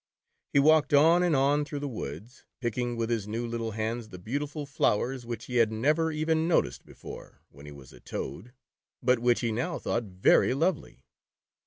He walked on and on through the woods, picking, with his new little hands, the beautiful flowers, which he had never even noticed before, when he was a Toad, but which he now thought very lovely.